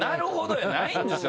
やないんですよ